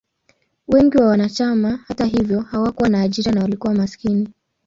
Wengi wa wanachama, hata hivyo, hawakuwa na ajira na walikuwa maskini.